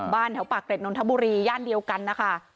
แถวปากเกร็ดนนทบุรีย่านเดียวกันนะคะ